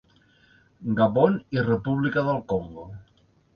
Gabon i República del Congo.